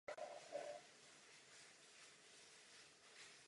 Kde by měli být vyloděni?